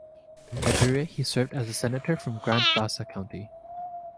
In Liberia, he served as a senator from Grand Bassa County.